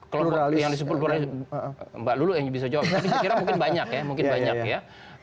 kelompok yang disebut plural mbak lulu yang bisa jawab tapi saya kira mungkin banyak ya